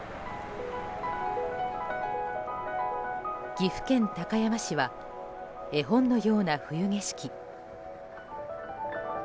岐阜県高山市は絵本のような冬景色。